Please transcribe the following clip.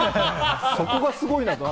そこがすごいなと。